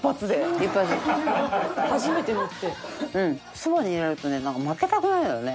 そばにいられるとねなんか負けたくないのよね。